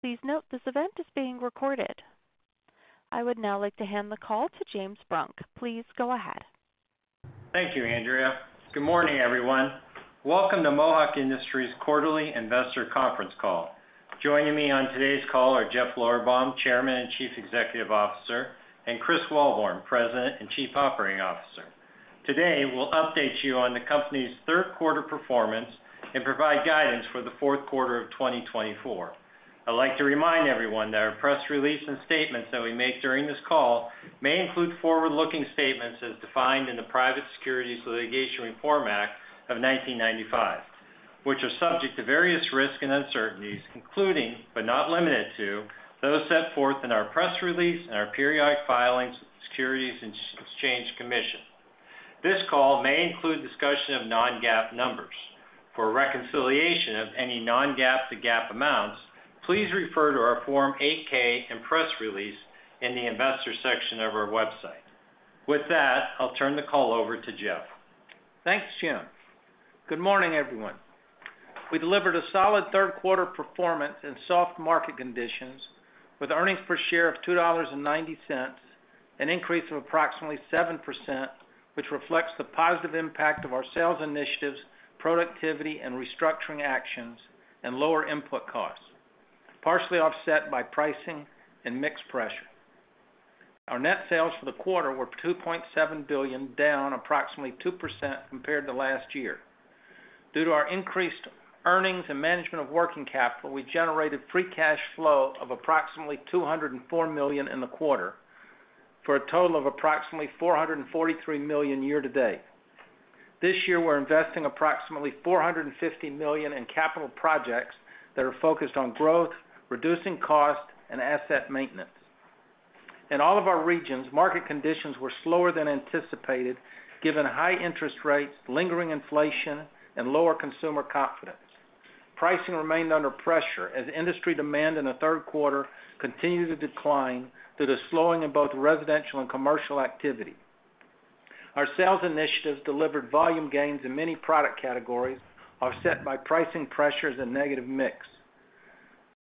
Please note, this event is being recorded. I would now like to hand the call to James Brunk. Please go ahead. Thank you, Andrea. Good morning, everyone. Welcome to Mohawk Industries Quarterly Investor Conference Call. Joining me on today's call are Jeff Lorberbaum, Chairman and Chief Executive Officer, and Chris Wellborn, President and Chief Operating Officer. Today, we'll update you on the company's third quarter performance and provide guidance for the fourth quarter of 2024. I'd like to remind everyone that our press release and statements that we make during this call may include forward-looking statements as defined in the Private Securities Litigation Reform Act of 1995, which are subject to various risks and uncertainties, including, but not limited to, those set forth in our press release and our periodic filings with the Securities and Exchange Commission. This call may include discussion of non-GAAP numbers. For a reconciliation of any non-GAAP to GAAP amounts, please refer to our Form 8-K and press release in the Investor section of our website. With that, I'll turn the call over to Jeff. Thanks, Jim. Good morning, everyone. We delivered a solid third quarter performance in soft market conditions with earnings per share of $2.90, an increase of approximately 7%, which reflects the positive impact of our sales initiatives, productivity and restructuring actions, and lower input costs, partially offset by pricing and mix pressure. Our net sales for the quarter were $2.7 billion, down approximately 2% compared to last year. Due to our increased earnings and management of working capital, we generated free cash flow of approximately $204 million in the quarter, for a total of approximately $443 million year to date. This year, we're investing approximately $450 million in capital projects that are focused on growth, reducing costs, and asset maintenance. In all of our regions, market conditions were slower than anticipated, given high interest rates, lingering inflation, and lower consumer confidence. Pricing remained under pressure as industry demand in the third quarter continued to decline due to slowing in both residential and commercial activity. Our sales initiatives delivered volume gains in many product categories, offset by pricing pressures and negative mix.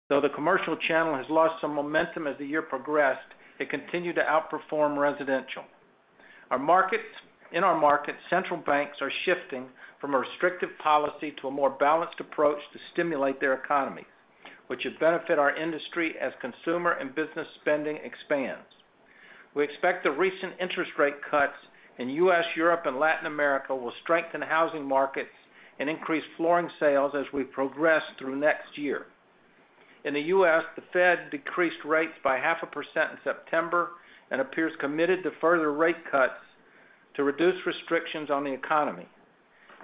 Though the commercial channel has lost some momentum as the year progressed, it continued to outperform residential. In our markets, central banks are shifting from a restrictive policy to a more balanced approach to stimulate their economy, which would benefit our industry as consumer and business spending expands. We expect the recent interest rate cuts in U.S., Europe, and Latin America will strengthen housing markets and increase flooring sales as we progress through next year. In the U.S., the Fed decreased rates by 0.5% in September and appears committed to further rate cuts to reduce restrictions on the economy.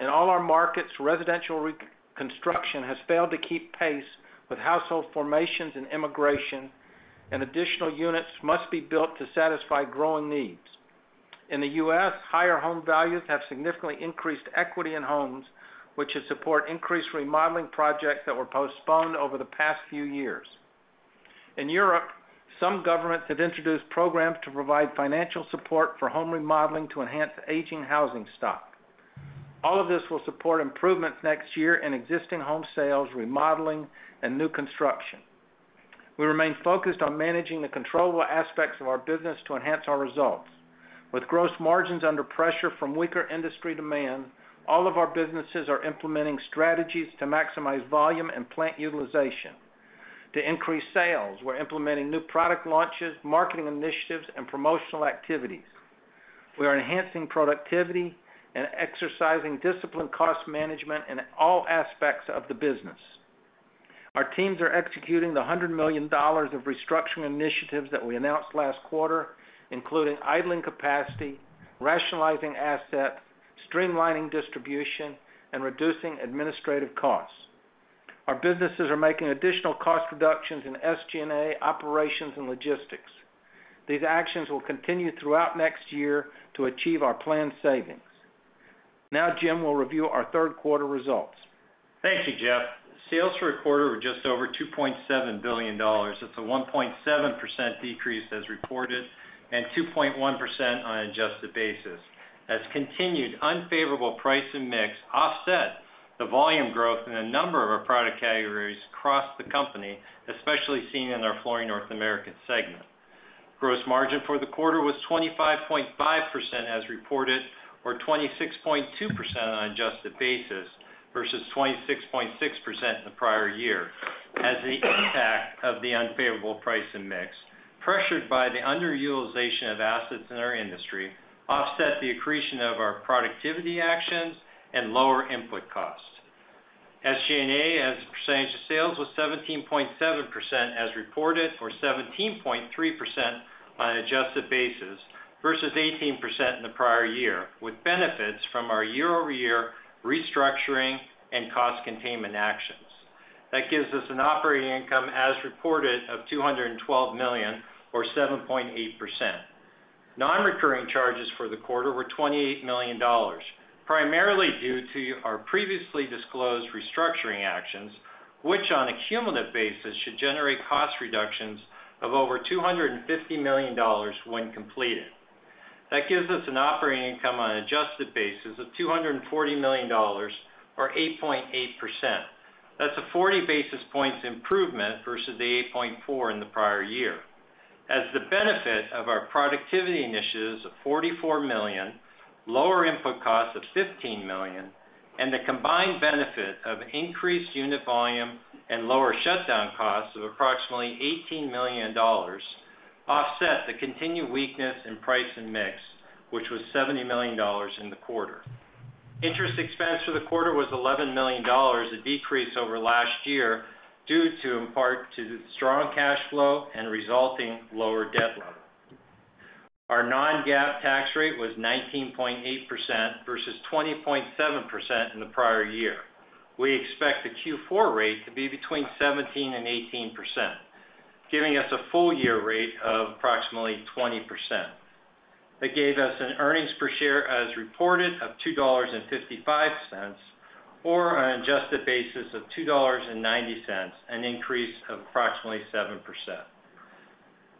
In all our markets, residential reconstruction has failed to keep pace with household formations and immigration, and additional units must be built to satisfy growing needs. In the U.S., higher home values have significantly increased equity in homes, which would support increased remodeling projects that were postponed over the past few years. In Europe, some governments have introduced programs to provide financial support for home remodeling to enhance aging housing stock. All of this will support improvements next year in existing home sales, remodeling, and new construction. We remain focused on managing the controllable aspects of our business to enhance our results. With gross margins under pressure from weaker industry demand, all of our businesses are implementing strategies to maximize volume and plant utilization. To increase sales, we're implementing new product launches, marketing initiatives, and promotional activities. We are enhancing productivity and exercising disciplined cost management in all aspects of the business. Our teams are executing the $100 million of restructuring initiatives that we announced last quarter, including idling capacity, rationalizing assets, streamlining distribution, and reducing administrative costs. Our businesses are making additional cost reductions in SG&A, operations, and logistics. These actions will continue throughout next year to achieve our planned savings. Now, Jim will review our third quarter results. Thank you, Jeff. Sales for the quarter were just over $2.7 billion. It's a 1.7% decrease as reported, and 2.1% on an adjusted basis. As continued unfavorable price and mix offset the volume growth in a number of our product categories across the company, especially seen in our Flooring North America segment. Gross margin for the quarter was 25.5%, as reported, or 26.2% on an adjusted basis, versus 26.6% in the prior year, as the impact of the unfavorable price and mix, pressured by the underutilization of assets in our industry, offset the accretion of our productivity actions and lower input costs. SG&A, as a percentage of sales, was 17.7%, as reported, or 17.3% on an adjusted basis, versus 18% in the prior year, with benefits from our year-over-year restructuring and cost containment actions. That gives us an operating income as reported of $212 million or 7.8%. Non-recurring charges for the quarter were $28 million, primarily due to our previously disclosed restructuring actions, which, on a cumulative basis, should generate cost reductions of over $250 million when completed. That gives us an operating income on an adjusted basis of $240 million, or 8.8%. That's a 40 basis points improvement versus the 8.4% in the prior year. As the benefit of our productivity initiatives of $44 million, lower input costs of $15 million, and the combined benefit of increased unit volume and lower shutdown costs of approximately $18 million offset the continued weakness in price and mix, which was $70 million in the quarter. Interest expense for the quarter was $11 million, a decrease over last year, due to, in part, strong cash flow and resulting lower debt level. Our non-GAAP tax rate was 19.8% versus 20.7% in the prior year. We expect the Q4 rate to be between 17% and 18%, giving us a full year rate of approximately 20%. That gave us an earnings per share as reported of $2.55, or on an adjusted basis of $2.90, an increase of approximately 7%.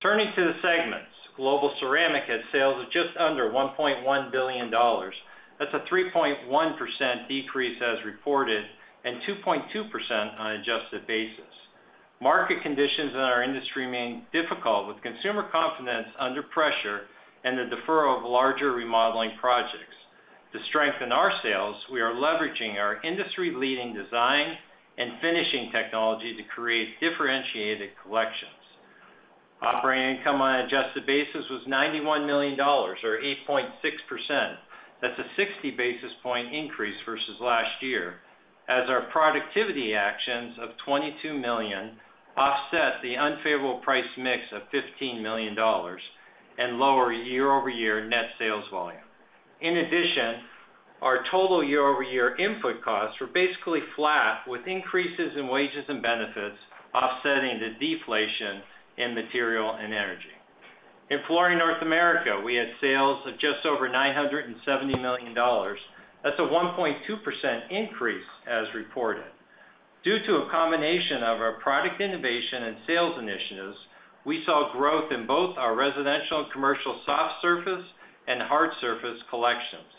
Turning to the segments. Global Ceramic had sales of just under $1.1 billion. That's a 3.1% decrease as reported, and 2.2% on an adjusted basis. Market conditions in our industry remain difficult, with consumer confidence under pressure and the deferral of larger remodeling projects. To strengthen our sales, we are leveraging our industry-leading design and finishing technology to create differentiated collections. Operating income on an adjusted basis was $91 million, or 8.6%. That's a 60 basis point increase versus last year, as our productivity actions of $22 million offset the unfavorable price mix of $15 million and lower year-over-year net sales volume. In addition, our total year-over-year input costs were basically flat, with increases in wages and benefits offsetting the deflation in material and energy. In Flooring North America, we had sales of just over $970 million. That's a 1.2% increase as reported. Due to a combination of our product innovation and sales initiatives, we saw growth in both our residential and commercial soft surface and hard surface collections,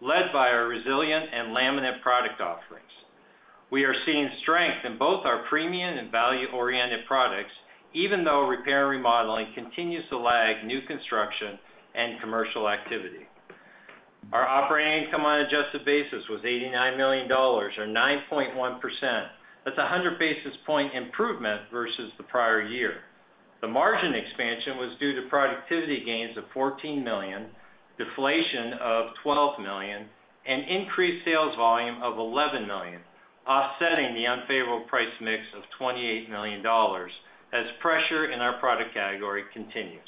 led by our resilient and laminate product offerings. We are seeing strength in both our premium and value-oriented products, even though repair and remodeling continues to lag new construction and commercial activity. Our operating income on an adjusted basis was $89 million, or 9.1%. That's a 100 basis points improvement versus the prior year. The margin expansion was due to productivity gains of $14 million, deflation of $12 million, and increased sales volume of $11 million, offsetting the unfavorable price mix of $28 million as pressure in our product category continues.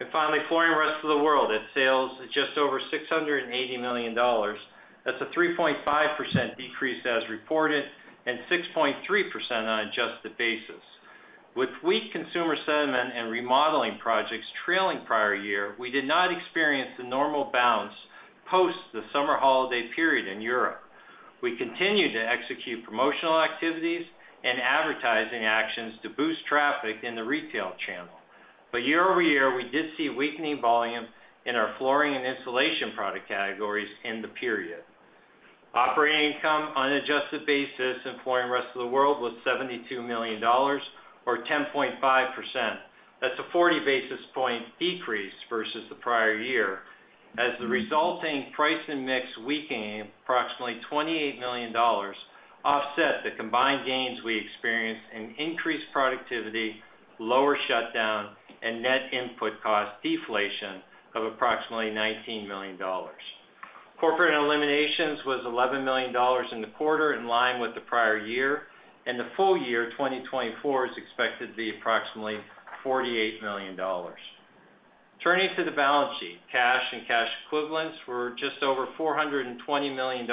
And finally, Flooring Rest of the World, at sales of just over $680 million, that's a 3.5% decrease as reported, and 6.3% on an adjusted basis. With weak consumer sentiment and remodeling projects trailing prior year, we did not experience the normal bounce post the summer holiday period in Europe. We continue to execute promotional activities and advertising actions to boost traffic in the retail channel. But year over year, we did see weakening volume in our flooring and insulation product categories in the period. Operating income on an adjusted basis in Flooring Rest of the World was $72 million, or 10.5%. That's a 40 basis point decrease versus the prior year, as the resulting price and mix weakening, approximately $28 million, offset the combined gains we experienced in increased productivity, lower shutdown, and net input cost deflation of approximately $19 million. Corporate and Eliminations was $11 million in the quarter, in line with the prior year, and the full year 2024 is expected to be approximately $48 million. Turning to the balance sheet, cash and cash equivalents were just over $420 million,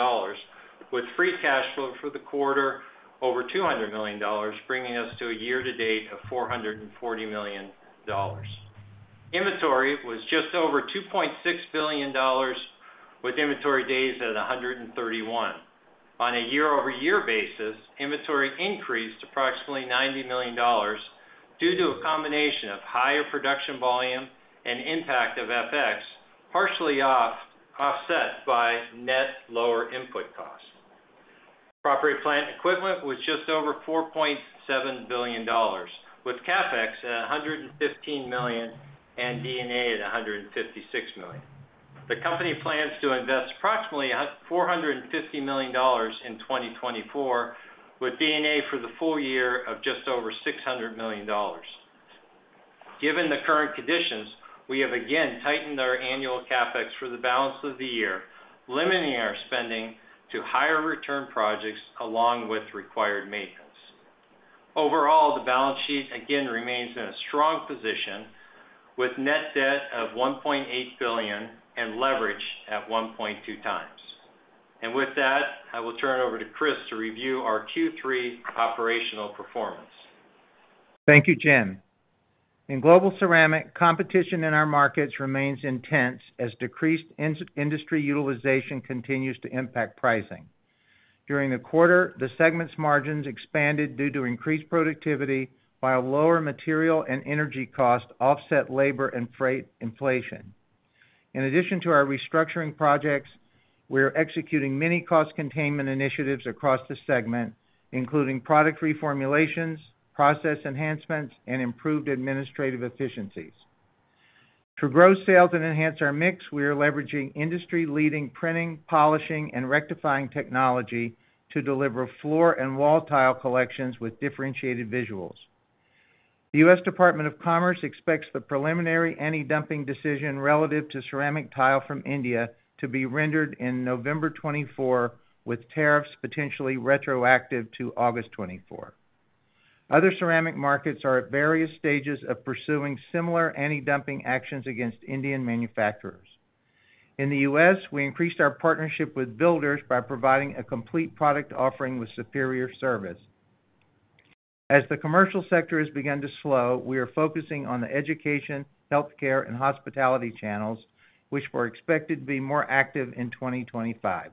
with free cash flow for the quarter over $200 million, bringing us to a year-to-date of $440 million. Inventory was just over $2.6 billion, with inventory days at 131. On a year-over-year basis, inventory increased approximately $90 million due to a combination of higher production volume and impact of FX, partially offset by net lower input costs. Property, plant, and equipment was just over $4.7 billion, with CapEx at $115 million and D&A at $156 million. The company plans to invest approximately $450 million in 2024, with D&A for the full year of just over $600 million. Given the current conditions, we have again tightened our annual CapEx for the balance of the year, limiting our spending to higher return projects along with required maintenance. Overall, the balance sheet again remains in a strong position, with net debt of $1.8 billion and leverage at 1.2x. With that, I will turn it over to Chris to review our Q3 operational performance. Thank you, Jim. In Global Ceramic, competition in our markets remains intense as decreased industry utilization continues to impact pricing. During the quarter, the segment's margins expanded due to increased productivity, while lower material and energy costs offset labor and freight inflation. In addition to our restructuring projects, we are executing many cost containment initiatives across the segment, including product reformulations, process enhancements, and improved administrative efficiencies. To grow sales and enhance our mix, we are leveraging industry-leading printing, polishing, and rectifying technology to deliver floor and wall tile collections with differentiated visuals. The U.S. Department of Commerce expects the preliminary antidumping decision relative to ceramic tile from India to be rendered in November 2024, with tariffs potentially retroactive to August 2024. Other ceramic markets are at various stages of pursuing similar antidumping actions against Indian manufacturers. In the U.S., we increased our partnership with builders by providing a complete product offering with superior service. As the commercial sector has begun to slow, we are focusing on the education, healthcare, and hospitality channels, which we're expected to be more active in 2025.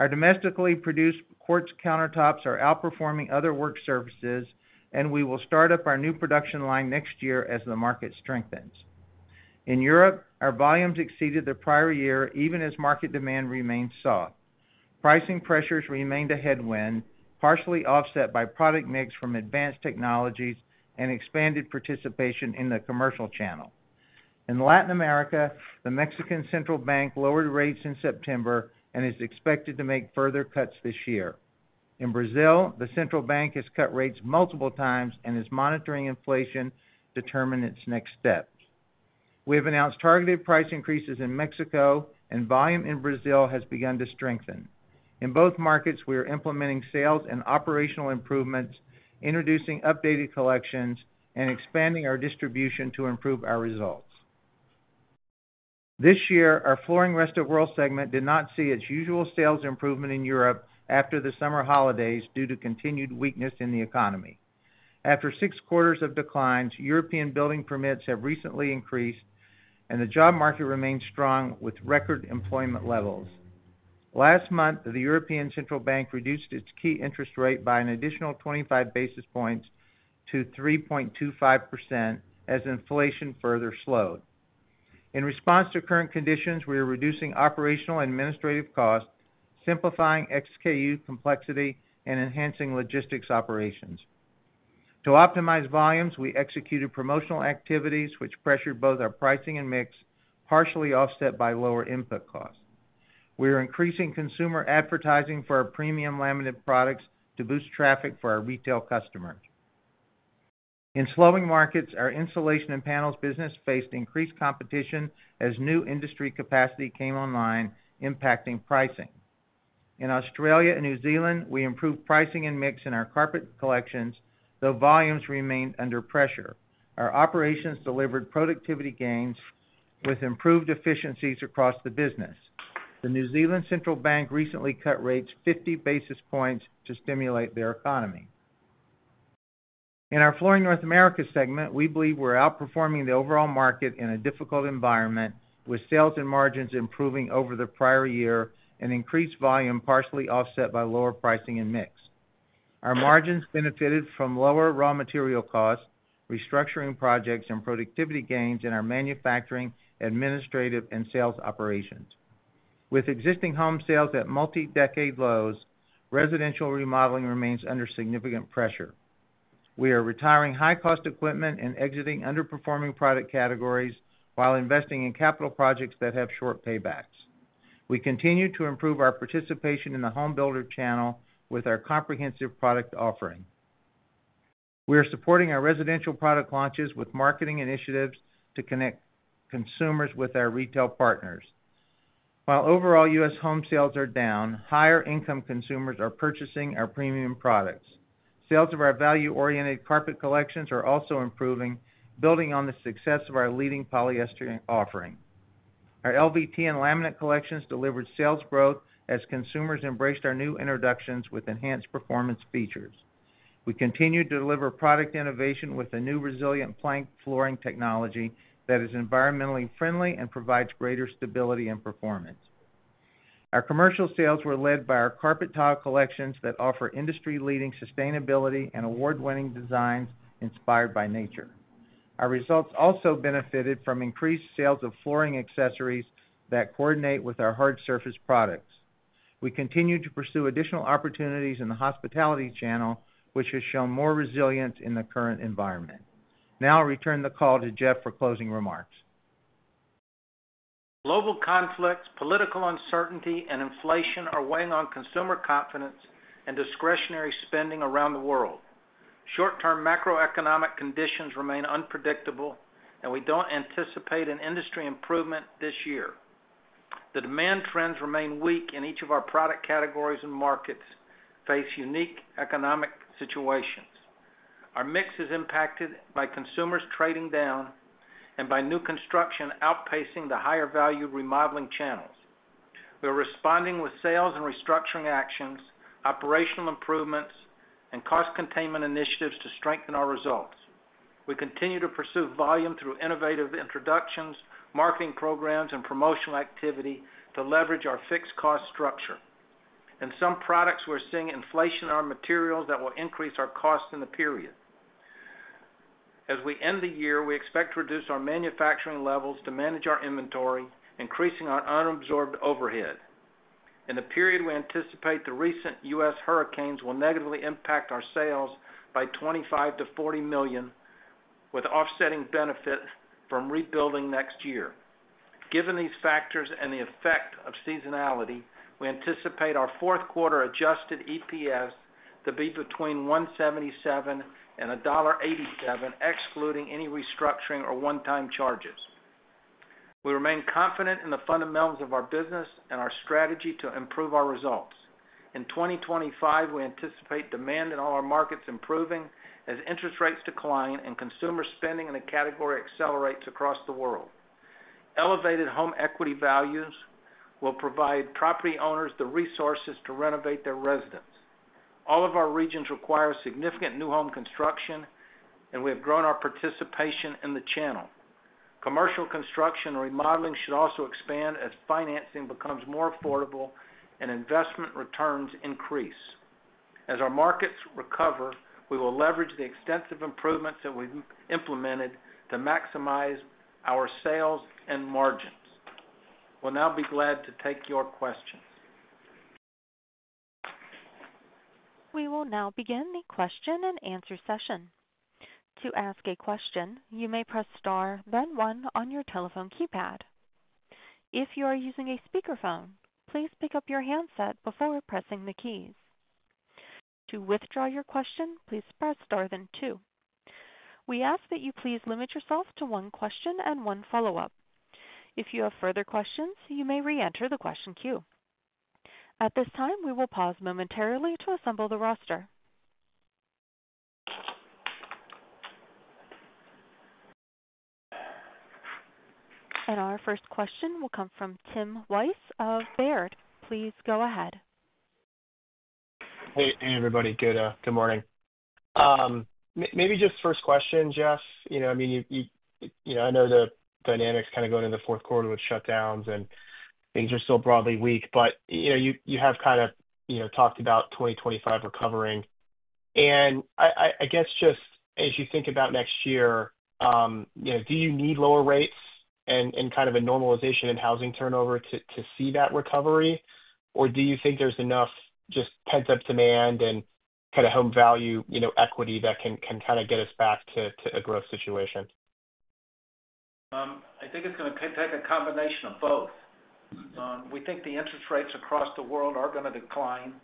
Our domestically produced quartz countertops are outperforming other work surfaces, and we will start up our new production line next year as the market strengthens. In Europe, our volumes exceeded the prior year, even as market demand remained soft. Pricing pressures remained a headwind, partially offset by product mix from advanced technologies and expanded participation in the commercial channel. In Latin America, the Mexican central bank lowered rates in September and is expected to make further cuts this year. In Brazil, the central bank has cut rates multiple times and is monitoring inflation to determine its next steps. We have announced targeted price increases in Mexico, and volume in Brazil has begun to strengthen. In both markets, we are implementing sales and operational improvements, introducing updated collections, and expanding our distribution to improve our results. This year, our Flooring Rest of World segment did not see its usual sales improvement in Europe after the summer holidays due to continued weakness in the economy. After six quarters of declines, European building permits have recently increased, and the job market remains strong, with record employment levels. Last month, the European Central Bank reduced its key interest rate by an additional 25 basis points to 3.25% as inflation further slowed. In response to current conditions, we are reducing operational and administrative costs, simplifying SKU complexity, and enhancing logistics operations. To optimize volumes, we executed promotional activities, which pressured both our pricing and mix, partially offset by lower input costs. We are increasing consumer advertising for our premium laminate products to boost traffic for our retail customers. In slowing markets, our insulation and panels business faced increased competition as new industry capacity came online, impacting pricing. In Australia and New Zealand, we improved pricing and mix in our carpet collections, though volumes remained under pressure. Our operations delivered productivity gains with improved efficiencies across the business. The New Zealand central bank recently cut rates fifty basis points to stimulate their economy. In our Flooring North America segment, we believe we're outperforming the overall market in a difficult environment, with sales and margins improving over the prior year and increased volume partially offset by lower pricing and mix. Our margins benefited from lower raw material costs, restructuring projects, and productivity gains in our manufacturing, administrative, and sales operations. With existing home sales at multi-decade lows, residential remodeling remains under significant pressure. We are retiring high-cost equipment and exiting underperforming product categories while investing in capital projects that have short paybacks. We continue to improve our participation in the home builder channel with our comprehensive product offering. We are supporting our residential product launches with marketing initiatives to connect consumers with our retail partners. While overall U.S. home sales are down, higher-income consumers are purchasing our premium products. Sales of our value-oriented carpet collections are also improving, building on the success of our leading polyester offering. Our LVT and laminate collections delivered sales growth as consumers embraced our new introductions with enhanced performance features. We continue to deliver product innovation with a new resilient plank flooring technology that is environmentally friendly and provides greater stability and performance. Our commercial sales were led by our carpet tile collections that offer industry-leading sustainability and award-winning designs inspired by nature. Our results also benefited from increased sales of flooring accessories that coordinate with our hard surface products. We continue to pursue additional opportunities in the hospitality channel, which has shown more resilience in the current environment. Now I'll return the call to Jeff for closing remarks. Global conflicts, political uncertainty, and inflation are weighing on consumer confidence and discretionary spending around the world. Short-term macroeconomic conditions remain unpredictable, and we don't anticipate an industry improvement this year. The demand trends remain weak in each of our product categories, and markets face unique economic situations. Our mix is impacted by consumers trading down and by new construction outpacing the higher-value remodeling channels. We are responding with sales and restructuring actions, operational improvements, and cost containment initiatives to strengthen our results. We continue to pursue volume through innovative introductions, marketing programs, and promotional activity to leverage our fixed cost structure. In some products, we're seeing inflation on materials that will increase our costs in the period. As we end the year, we expect to reduce our manufacturing levels to manage our inventory, increasing our unabsorbed overhead. In the period, we anticipate the recent U.S. hurricanes will negatively impact our sales by $25 million-$40 million, with offsetting benefit from rebuilding next year. Given these factors and the effect of seasonality, we anticipate our fourth quarter adjusted EPS to be between $1.77 and $1.87, excluding any restructuring or one-time charges. We remain confident in the fundamentals of our business and our strategy to improve our results. In 2025, we anticipate demand in all our markets improving as interest rates decline and consumer spending in a category accelerates across the world. Elevated home equity values will provide property owners the resources to renovate their residences. All of our regions require significant new home construction, and we have grown our participation in the channel. Commercial construction and remodeling should also expand as financing becomes more affordable and investment returns increase. As our markets recover, we will leverage the extensive improvements that we've implemented to maximize our sales and margins. We'll now be glad to take your questions. We will now begin the question-and-answer session. To ask a question, you may press star, then one on your telephone keypad. If you are using a speakerphone, please pick up your handset before pressing the keys. To withdraw your question, please press star, then two. We ask that you please limit yourself to one question and one follow-up. If you have further questions, you may reenter the question queue. At this time, we will pause momentarily to assemble the roster. And our first question will come from Tim Wojs of Baird. Please go ahead. Hey, everybody. Good morning. Maybe just first question, Jeff. You know, I mean, you know, I know the dynamics kind of going in the fourth quarter with shutdowns and things are still broadly weak, but, you know, you have kind of, you know, talked about 2025 recovering. And I guess, just as you think about next year, you know, do you need lower rates and kind of a normalization in housing turnover to see that recovery? Or do you think there's enough just pent-up demand and kind of home value, you know, equity that can kind of get us back to a growth situation? I think it's gonna take a combination of both. We think the interest rates across the world are gonna decline,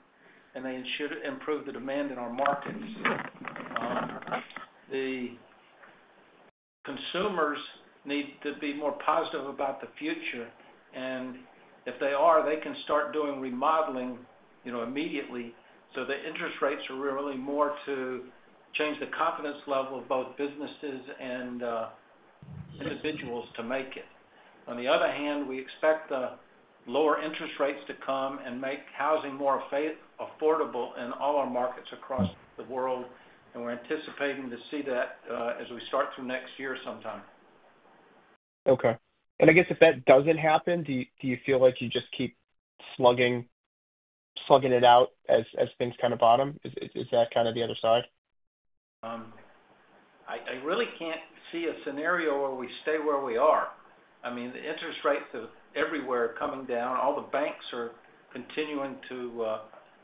and they should improve the demand in our markets. The consumers need to be more positive about the future, and if they are, they can start doing remodeling, you know, immediately. So the interest rates are really more to change the confidence level of both businesses and individuals to make it. On the other hand, we expect the lower interest rates to come and make housing more affordable in all our markets across the world, and we're anticipating to see that as we start through next year sometime. Okay. And I guess if that doesn't happen, do you feel like you just keep slugging it out as things kind of bottom? Is that kind of the other side? I really can't see a scenario where we stay where we are. I mean, the interest rates are everywhere coming down. All the banks are continuing to,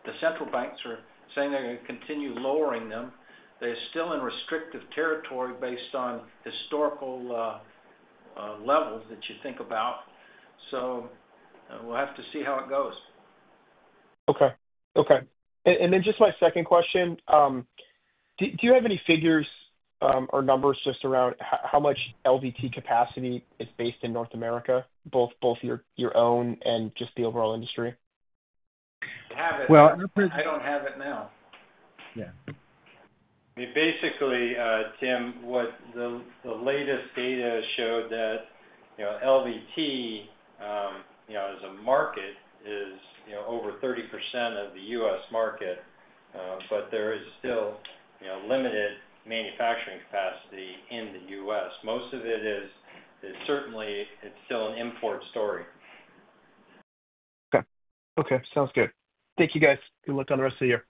the central banks are saying they're gonna continue lowering them. They're still in restrictive territory based on historical levels that you think about, so we'll have to see how it goes. Okay, okay. And then just my second question, do you have any figures or numbers just around how much LVT capacity is based in North America, both your own and just the overall industry? We have it. Well- I don't have it now. Yeah. I mean, basically, Tim, what the latest data showed that, you know, LVT, you know, as a market is, you know, over 30% of the U.S. market, but there is still, you know, limited manufacturing capacity in the U.S. Most of it is certainly, it's still an import story. Okay. Okay, sounds good. Thank you, guys. Good luck on the rest of the year.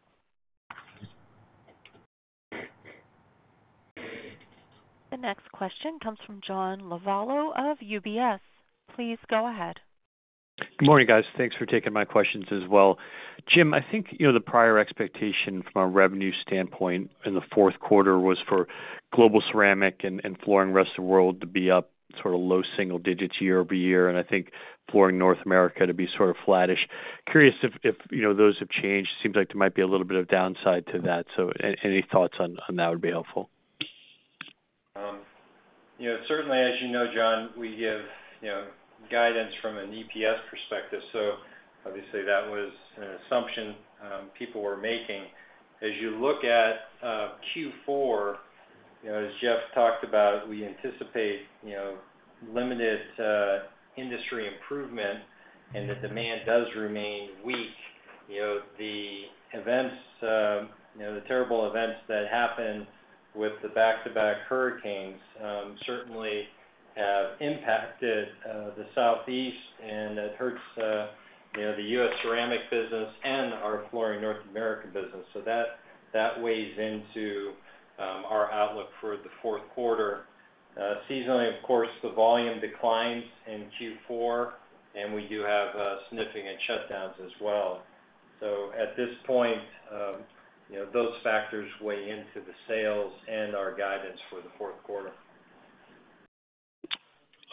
The next question comes from John Lovallo of UBS. Please go ahead. Good morning, guys. Thanks for taking my questions as well. Jim, I think, you know, the prior expectation from a revenue standpoint in the fourth quarter was for Global Ceramic and Flooring Rest of the World to be up sort of low single digits year over year, and I think Flooring North America to be sort of flattish. Curious if, you know, those have changed. Seems like there might be a little bit of downside to that, so any thoughts on that would be helpful. You know, certainly, as you know, John, we give, you know, guidance from an EPS perspective, so obviously that was an assumption people were making. As you look at Q4, you know, as Jeff talked about, we anticipate, you know, limited industry improvement, and the demand does remain weak. You know, the events, you know, the terrible events that happened with the back-to-back hurricanes certainly have impacted the Southeast, and it hurts, you know, the U.S. ceramic business and our Flooring North America business. So that, that weighs into our outlook for the fourth quarter. Seasonally, of course, the volume declines in Q4, and we do have staffing and shutdowns as well. So at this point, you know, those factors weigh into the sales and our guidance for the fourth quarter.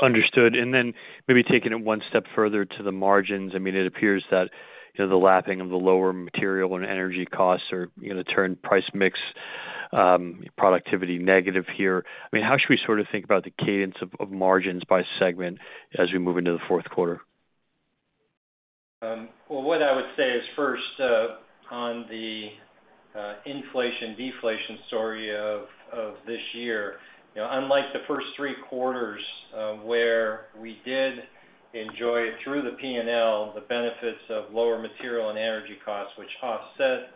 Understood. And then maybe taking it one step further to the margins. I mean, it appears that, you know, the lapping of the lower material and energy costs are, you know, turning price mix, productivity negative here. I mean, how should we sort of think about the cadence of margins by segment as we move into the fourth quarter? Well, what I would say is, first, on the inflation deflation story of this year, you know, unlike the first three quarters, where we did enjoy through the P&L, the benefits of lower material and energy costs, which offset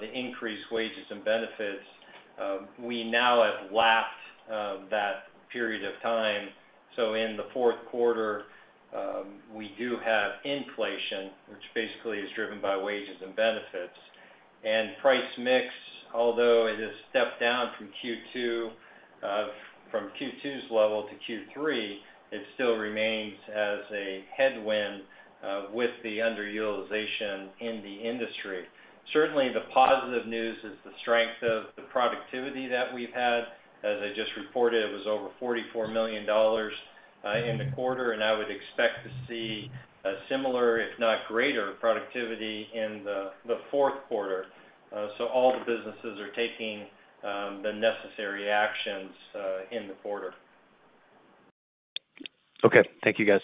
the increased wages and benefits, we now have lapped that period of time. So in the fourth quarter, we do have inflation, which basically is driven by wages and benefits. Price mix, although it has stepped down from Q2's level to Q3, it still remains as a headwind with the underutilization in the industry. Certainly, the positive news is the strength of the productivity that we've had. As I just reported, it was over $44 million in the quarter, and I would expect to see a similar, if not greater, productivity in the fourth quarter, so all the businesses are taking the necessary actions in the quarter. Okay. Thank you, guys.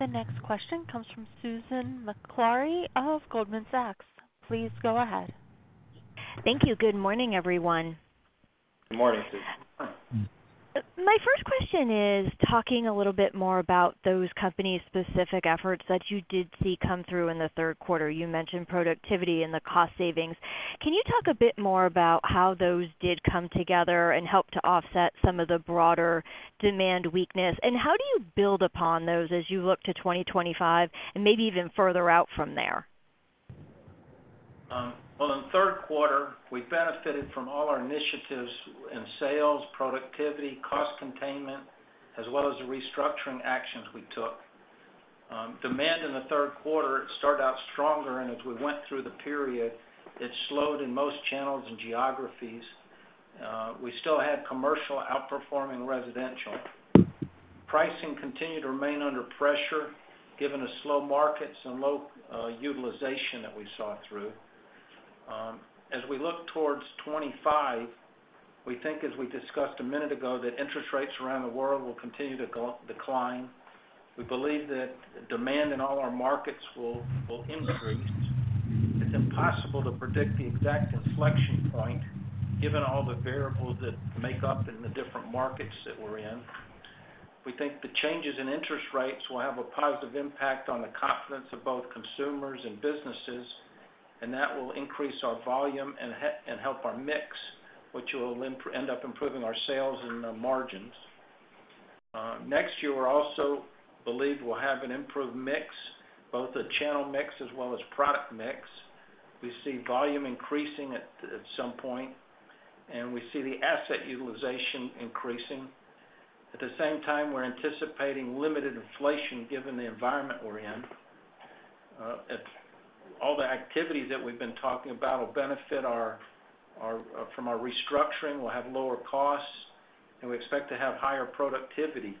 The next question comes from Susan Maklari of Goldman Sachs. Please go ahead. Thank you. Good morning, everyone. Good morning, Susan. My first question is talking a little bit more about those company-specific efforts that you did see come through in the third quarter. You mentioned productivity and the cost savings. Can you talk a bit more about how those did come together and help to offset some of the broader demand weakness, and how do you build upon those as you look to 2025 and maybe even further out from there? Well, in the third quarter, we benefited from all our initiatives in sales, productivity, cost containment, as well as the restructuring actions we took. Demand in the third quarter, it started out stronger, and as we went through the period, it slowed in most channels and geographies. We still had commercial outperforming residential. Pricing continued to remain under pressure, given the slow markets and low utilization that we saw through. As we look towards 2025, we think, as we discussed a minute ago, that interest rates around the world will continue to decline. We believe that demand in all our markets will increase. It's impossible to predict the exact inflection point, given all the variables that make up in the different markets that we're in. We think the changes in interest rates will have a positive impact on the confidence of both consumers and businesses, and that will increase our volume and help our mix, which will then end up improving our sales and the margins. Next year, we also believe we'll have an improved mix, both the channel mix as well as product mix. We see volume increasing at some point, and we see the asset utilization increasing. At the same time, we're anticipating limited inflation, given the environment we're in. All the activity that we've been talking about will benefit our. From our restructuring, we'll have lower costs, and we expect to have higher productivity.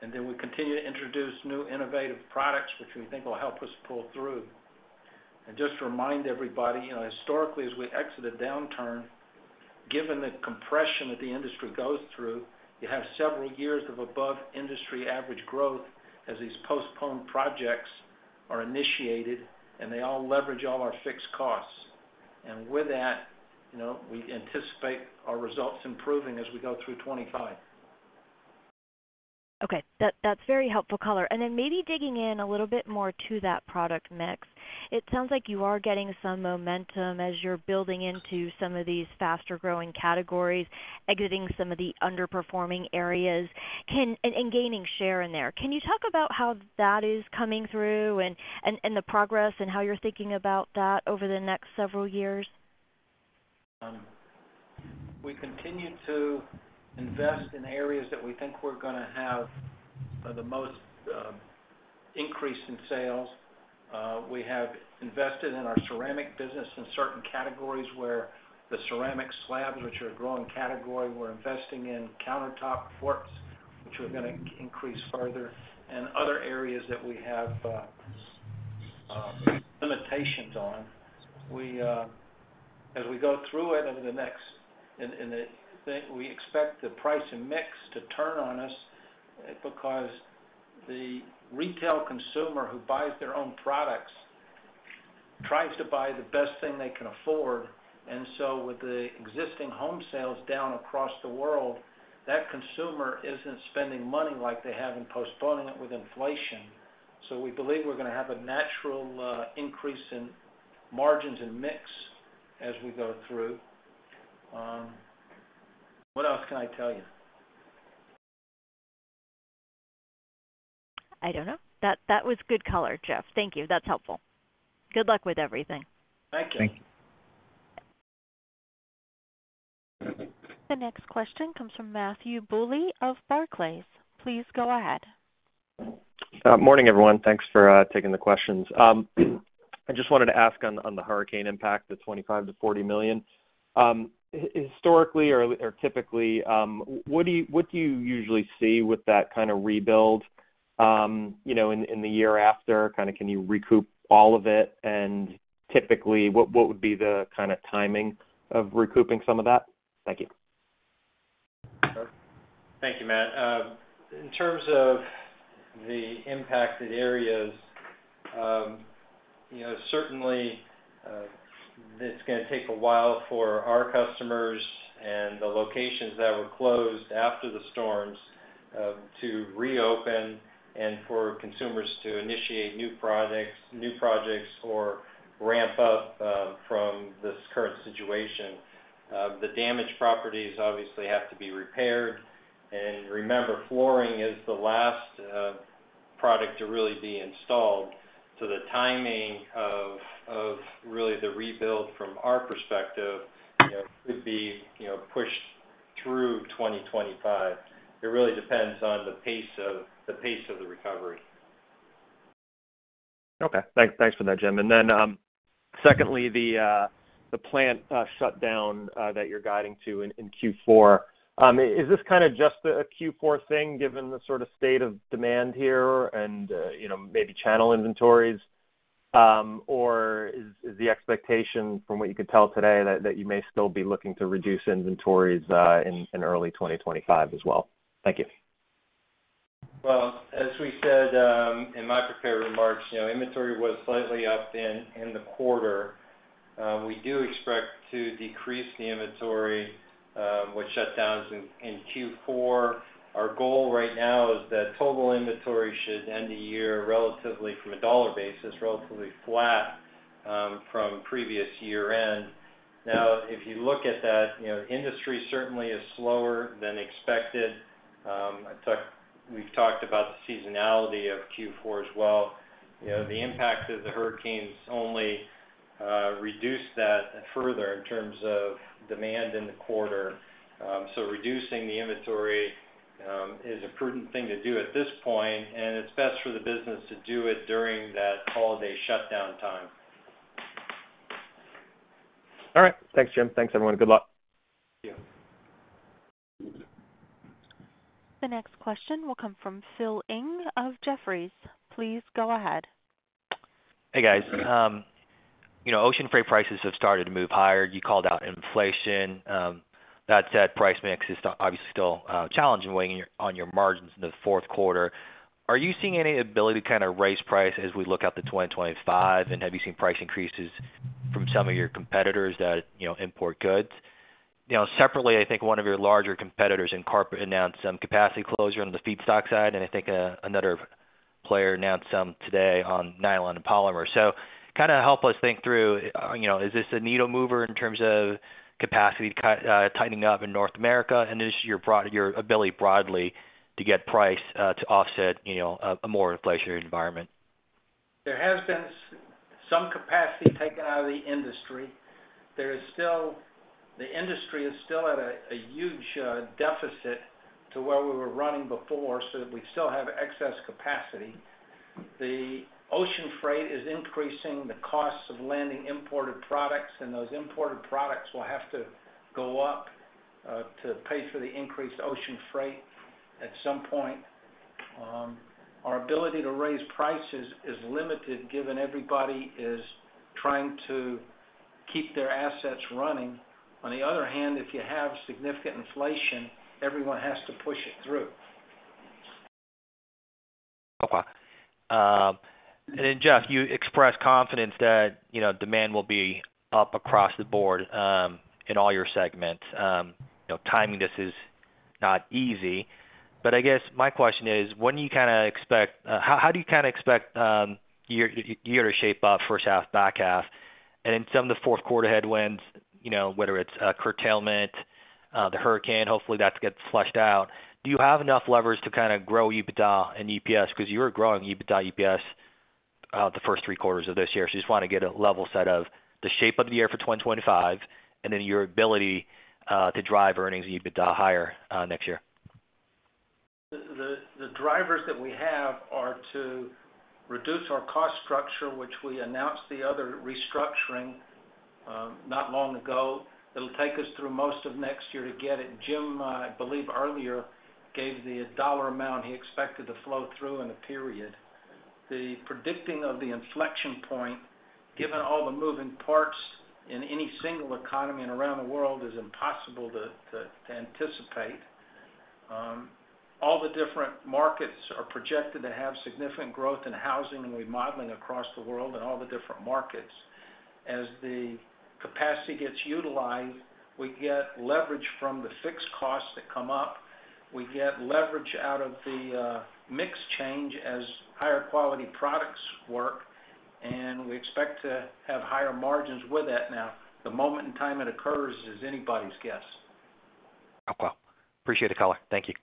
Then we continue to introduce new innovative products, which we think will help us pull through. Just to remind everybody, you know, historically, as we exit a downturn, given the compression that the industry goes through, you have several years of above-industry average growth as these postponed projects are initiated, and they all leverage all our fixed costs. With that, you know, we anticipate our results improving as we go through 2025. Okay. That's very helpful color. And then maybe digging in a little bit more to that product mix. It sounds like you are getting some momentum as you're building into some of these faster-growing categories, exiting some of the underperforming areas, and gaining share in there. Can you talk about how that is coming through and the progress, and how you're thinking about that over the next several years? We continue to invest in areas that we think we're gonna have the most increase in sales. We have invested in our ceramic business in certain categories where the ceramic slabs, which are a growing category, we're investing in countertop quartz, which we're gonna increase further, and other areas that we have limitations on. We, as we go through it over the next in the thing, we expect the price and mix to turn on us because the retail consumer who buys their own products tries to buy the best thing they can afford and so with the existing home sales down across the world, that consumer isn't spending money like they have and postponing it with inflation, so we believe we're going to have a natural increase in margins and mix as we go through. What else can I tell you? I don't know. That was good color, Jeff. Thank you. That's helpful. Good luck with everything. Thank you. Thank you. The next question comes from Matthew Bouley of Barclays. Please go ahead. Morning, everyone. Thanks for taking the questions. I just wanted to ask on the hurricane impact, the $25 million-$40 million. Historically or typically, what do you usually see with that kind of rebuild, you know, in the year after? Kind of, can you recoup all of it? And typically, what would be the kind of timing of recouping some of that? Thank you. Thank you, Matt. In terms of the impacted areas, you know, certainly, it's going to take a while for our customers and the locations that were closed after the storms to reopen and for consumers to initiate new projects or ramp up from this current situation. The damaged properties obviously have to be repaired. And remember, flooring is the last product to really be installed. So the timing of really the rebuild from our perspective, you know, could be, you know, pushed through 2025. It really depends on the pace of the recovery. Okay. Thanks. Thanks for that, Jim. And then, secondly, the plant shutdown that you're guiding to in Q4. Is this kind of just a Q4 thing, given the sort of state of demand here and you know, maybe channel inventories? Or is the expectation from what you could tell today, that you may still be looking to reduce inventories in early 2025 as well? Thank you. As we said, in my prepared remarks, you know, inventory was slightly up in the quarter. We do expect to decrease the inventory with shutdowns in Q4. Our goal right now is that total inventory should end the year relatively, from a dollar basis, relatively flat, from previous year-end. Now, if you look at that, you know, industry certainly is slower than expected. We've talked about the seasonality of Q4 as well. You know, the impact of the hurricanes only reduced that further in terms of demand in the quarter. So reducing the inventory is a prudent thing to do at this point, and it's best for the business to do it during that holiday shutdown time. All right. Thanks, Jim. Thanks, everyone. Good luck. Yeah. The next question will come from Phil Ng of Jefferies. Please go ahead. Hey, guys. You know, ocean freight prices have started to move higher. You called out inflation. That said, price mix is obviously still challenging weighing on your margins in the fourth quarter. Are you seeing any ability to kind of raise price as we look out to 2025? And have you seen price increases from some of your competitors that, you know, import goods? You know, separately, I think one of your larger competitors in corporate announced some capacity closure on the feedstock side, and I think another player announced some today on nylon and polymer. So kind of help us think through, you know, is this a needle mover in terms of capacity tightening up in North America? And is your ability broadly to get price to offset, you know, a more inflationary environment? There has been some capacity taken out of the industry. There is still the industry is still at a huge deficit to where we were running before, so we still have excess capacity. The ocean freight is increasing the costs of landing imported products, and those imported products will have to go up to pay for the increased ocean freight at some point. Our ability to raise prices is limited, given everybody is trying to keep their assets running. On the other hand, if you have significant inflation, everyone has to push it through. And then, Jeff, you expressed confidence that, you know, demand will be up across the board, in all your segments. You know, timing this is not easy. But I guess my question is, when do you kind of expect, how do you kind of expect year to shape up first half, back half? And then some of the fourth quarter headwinds, you know, whether it's curtailment, the hurricane, hopefully that gets flushed out. Do you have enough levers to kind of grow EBITDA and EPS? Because you were growing EBITDA, EPS, the first three quarters of this year. So just want to get a level set of the shape of the year for 2025, and then your ability to drive earnings and EBITDA higher next year. The drivers that we have are to reduce our cost structure, which we announced the other restructuring not long ago. It'll take us through most of next year to get it. Jim, I believe, earlier, gave the dollar amount he expected to flow through in a period. The predicting of the inflection point, given all the moving parts in any single economy and around the world, is impossible to anticipate. All the different markets are projected to have significant growth in housing and remodeling across the world in all the different markets. As the capacity gets utilized, we get leverage from the fixed costs that come up. We get leverage out of the mix change as higher quality products work, and we expect to have higher margins with that now. The moment in time it occurs is anybody's guess. Okay. Appreciate the color. Thank you.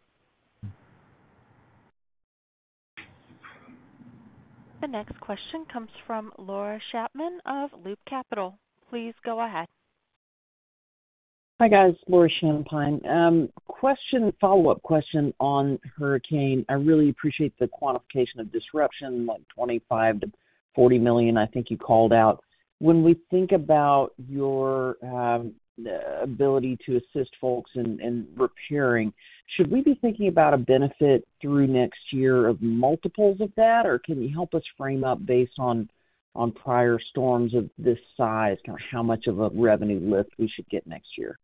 The next question comes from Laura Champine of Loop Capital. Please go ahead. Hi, guys, Laura Champine. Question, follow-up question on hurricane. I really appreciate the quantification of disruption, like $25 million-$40 million, I think you called out. When we think about your ability to assist folks in repairing, should we be thinking about a benefit through next year of multiples of that? Or can you help us frame up based on prior storms of this size, kind of how much of a revenue lift we should get next year?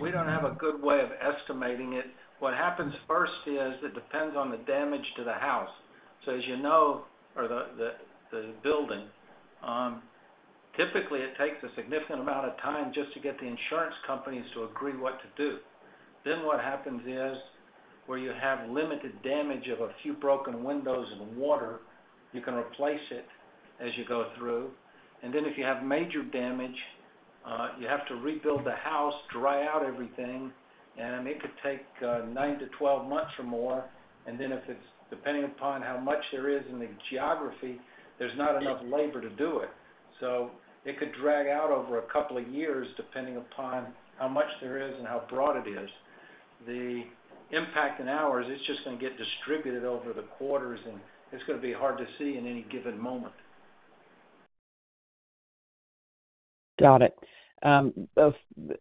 We don't have a good way of estimating it. What happens first is, it depends on the damage to the house. So as you know, or the building, typically, it takes a significant amount of time just to get the insurance companies to agree what to do. Then what happens is, where you have limited damage of a few broken windows and water, you can replace it as you go through. And then if you have major damage, you have to rebuild the house, dry out everything, and it could take nine to twelve months or more. And then if it's, depending upon how much there is in the geography, there's not enough labor to do it. So it could drag out over a couple of years, depending upon how much there is and how broad it is. The impact in ours, it's just gonna get distributed over the quarters, and it's gonna be hard to see in any given moment. Got it.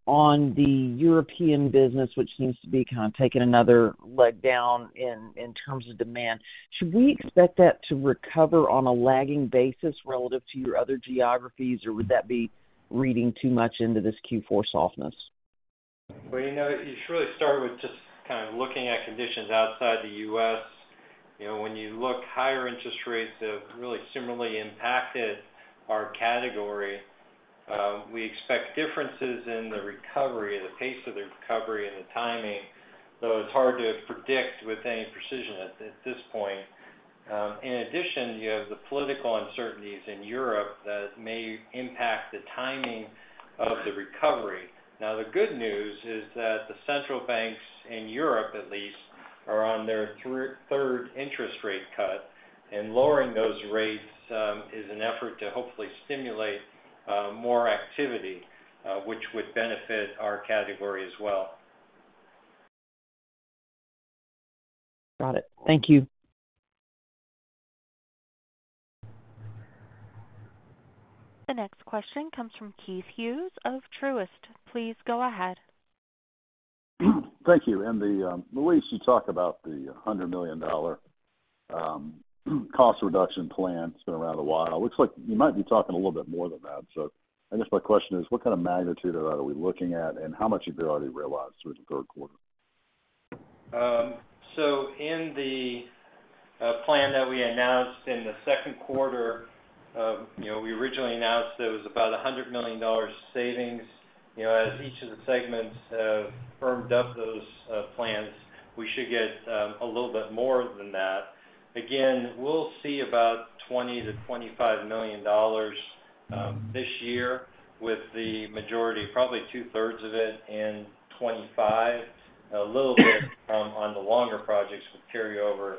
On the European business, which seems to be kind of taking another leg down in terms of demand, should we expect that to recover on a lagging basis relative to your other geographies, or would that be reading too much into this Q4 softness? You know, you should really start with just kind of looking at conditions outside the U.S. You know, when you look higher interest rates have really similarly impacted our category. We expect differences in the recovery, the pace of the recovery and the timing, though it's hard to predict with any precision at this point. In addition, you have the political uncertainties in Europe that may impact the timing of the recovery. Now, the good news is that the central banks in Europe, at least, are on their third interest rate cut, and lowering those rates is an effort to hopefully stimulate more activity, which would benefit our category as well. Got it. Thank you. The next question comes from Keith Hughes of Truist. Please go ahead. Thank you. In the release, you talked about the $100 million cost reduction plan. It's been around a while. It looks like you might be talking a little bit more than that. So I guess my question is: What kind of magnitude of that are we looking at? And how much have you already realized through the third quarter? So in the plan that we announced in the second quarter, you know, we originally announced there was about $100 million savings. You know, as each of the segments have firmed up those plans, we should get a little bit more than that. Again, we'll see about $20 million-$25 million this year, with the majority, probably 2/3 of it in 2025. A little bit on the longer projects will carry over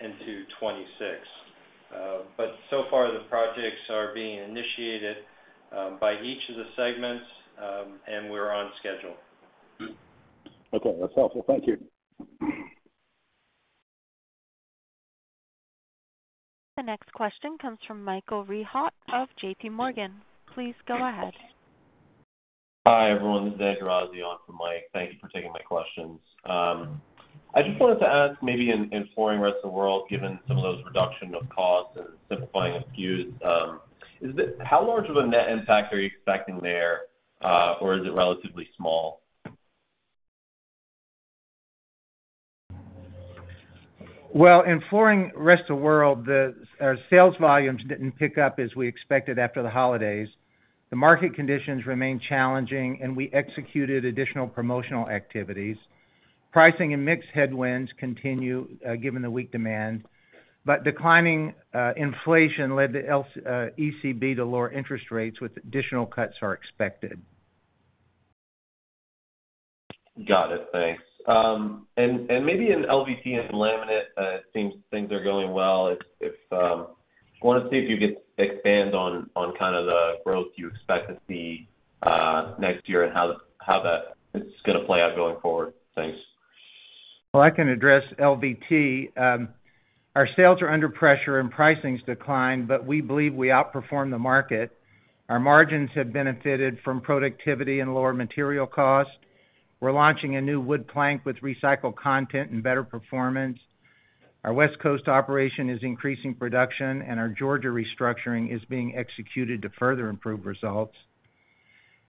into 2026. But so far, the projects are being initiated by each of the segments and we're on schedule. Okay, that's helpful. Thank you. The next question comes from Michael Rehaut of JPMorgan. Please go ahead. Hi, everyone. This is Andrew Azzi for Mike. Thank you for taking my questions. I just wanted to ask, maybe in Flooring Rest of the World, given some of those reduction of costs and simplifying SKUs, is it how large of a net impact are you expecting there, or is it relatively small? In Flooring Rest of World, our sales volumes didn't pick up as we expected after the holidays. The market conditions remained challenging, and we executed additional promotional activities. Pricing and mix headwinds continue given the weak demand, but declining inflation led the ECB to lower interest rates, with additional cuts expected. Got it. Thanks. And maybe in LVT and laminate, things are going well. If I wanted to see if you could expand on kind of the growth you expect to see next year and how that is gonna play out going forward? Thanks. I can address LVT. Our sales are under pressure and pricing's declined, but we believe we outperformed the market. Our margins have benefited from productivity and lower material costs. We're launching a new wood plank with recycled content and better performance. Our West Coast operation is increasing production, and our Georgia restructuring is being executed to further improve results.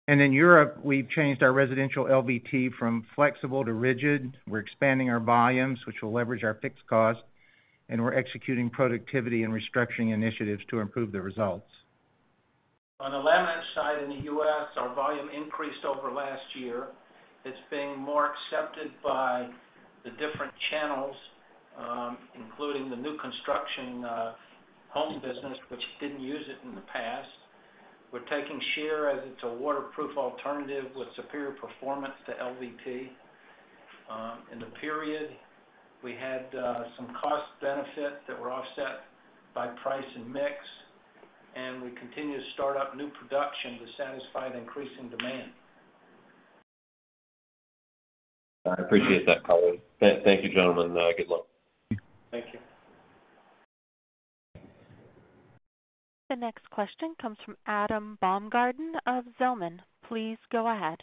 And in Europe, we've changed our residential LVT from flexible to rigid. We're expanding our volumes, which will leverage our fixed costs, and we're executing productivity and restructuring initiatives to improve the results. On the laminate side, in the U.S., our volume increased over last year. It's being more accepted by the different channels, including the new construction, home business, which didn't use it in the past. We're taking share as it's a waterproof alternative with superior performance to LVT. In the period, we had some cost benefit that were offset by price and mix, and we continue to start up new production to satisfy the increasing demand. I appreciate that color. Thank you, gentlemen. Good luck. Thank you. The next question comes from Adam Baumgarten of Zelman. Please go ahead.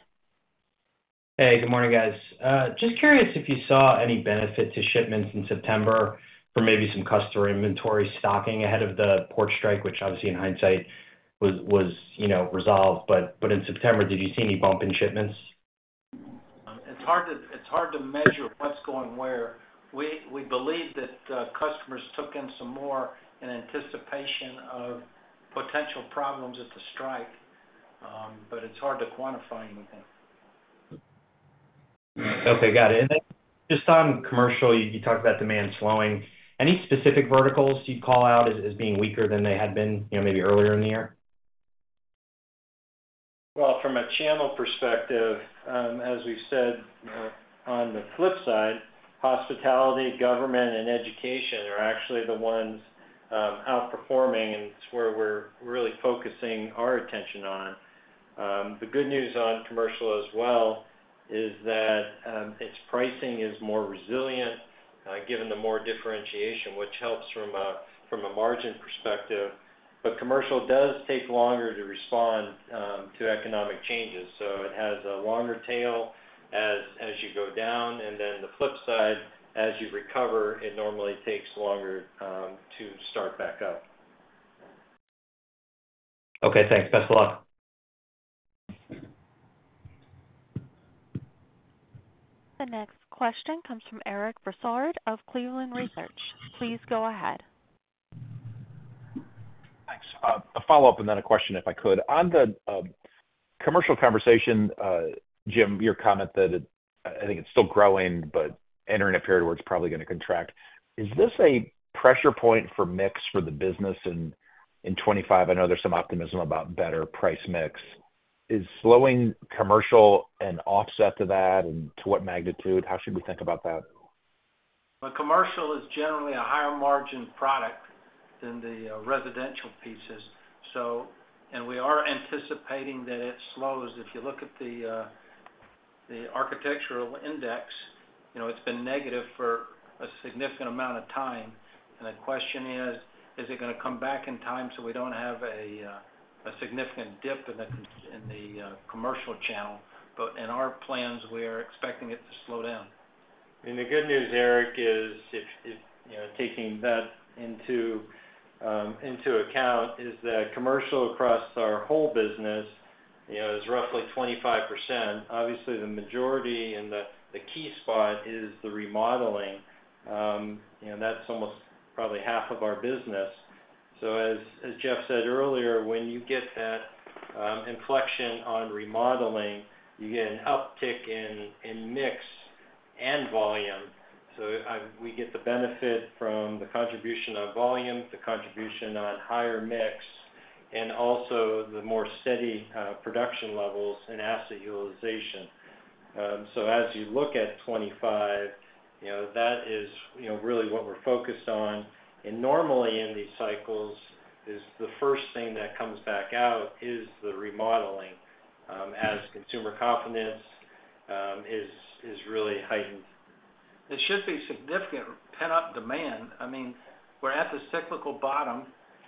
Hey, good morning, guys. Just curious if you saw any benefit to shipments in September for maybe some customer inventory stocking ahead of the port strike, which obviously, in hindsight, was, you know, resolved, but in September, did you see any bump in shipments? It's hard to measure what's going where. We believe that customers took in some more in anticipation of potential problems with the strike, but it's hard to quantify anything. Okay, got it. And then just on commercial, you talked about demand slowing. Any specific verticals you'd call out as being weaker than they had been, you know, maybe earlier in the year? From a channel perspective, as we've said, on the flip side, hospitality, government, and education are actually the ones outperforming, and it's where we're really focusing our attention on. The good news on commercial as well is that its pricing is more resilient, given the more differentiation, which helps from a margin perspective. But commercial does take longer to respond to economic changes, so it has a longer tail as you go down, and then the flip side, as you recover, it normally takes longer to start back up. Okay, thanks. Best of luck. The next question comes from Eric Bosshard of Cleveland Research. Please go ahead. Thanks. A follow-up and then a question, if I could. On the commercial conversation, Jim, your comment that it, I think it's still growing, but entering a period where it's probably gonna contract. Is this a pressure point for mix for the business in 2025? I know there's some optimism about better price mix. Is slowing commercial an offset to that, and to what magnitude? How should we think about that? Commercial is generally a higher-margin product than the residential pieces. So. And we are anticipating that it slows. If you look at the architectural index, you know, it's been negative for a significant amount of time. And the question is: Is it gonna come back in time so we don't have a significant dip in the commercial channel? But in our plans, we are expecting it to slow down. And the good news, Eric, is if you know, taking that into account, is that commercial across our whole business, you know, is roughly 25%. Obviously, the majority and the key spot is the remodeling, and that's almost probably half of our business. So as Jeff said earlier, when you get that inflection on remodeling, you get an uptick in mix and volume. So we get the benefit from the contribution on volume, the contribution on higher mix, and also the more steady production levels and asset utilization. So as you look at 2025, you know, that is, you know, really what we're focused on, and normally in these cycles, the first thing that comes back is the remodeling as consumer confidence is really heightened. There should be significant pent-up demand. I mean, we're at the cyclical bottom.